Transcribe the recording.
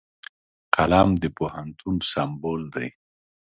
قلم د پوهنتون سمبول دی